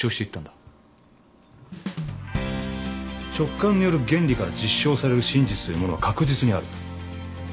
直感による原理から実証される真実というものは確実にある。